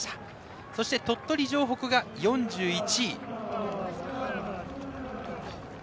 そして鳥取城北が４１位。